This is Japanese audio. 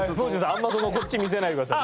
あんまりそのこっち見せないでください。